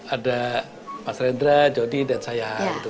ada mas redra jody dan saya gitu